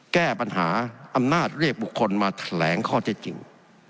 แก้ปัญหาอำนาจเรียกบุคคลมาแถลงข้อเท็จจริง